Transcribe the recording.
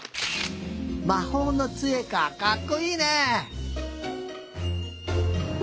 まほうのつえかかっこいいね！